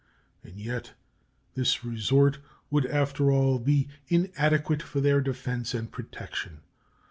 And yet this resort would after all be inadequate for their defense and protection.